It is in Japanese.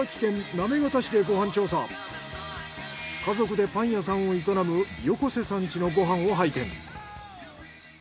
家族でパン屋さんを営む横瀬さん家のご飯を拝見。